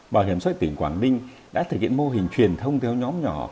bảo hiểm xã hội tỉnh quảng ninh đã thực hiện mô hình truyền thông theo nhóm nhỏ